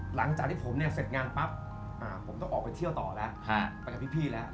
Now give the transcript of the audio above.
หลังจากที่ผมเนี่ยเสร็จงานปั๊บผมต้องออกไปเที่ยวต่อแล้วไปกับพี่แล้ว